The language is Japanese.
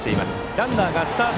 ランナーがスタート。